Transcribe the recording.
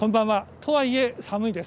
とはいえ寒いです。